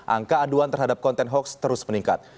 angka aduan terhadap konten hoax terus meningkat